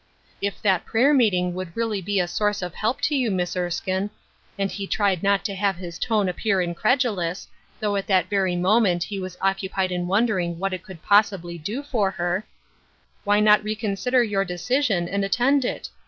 "If that prayer meeting would really be a source of help to you, Miss Erskine," and he tried not to have his tone appear incredulous, though at that very moment he was occupied in wondering what it could possibly do for her, " why not reconsider your decision and attend it?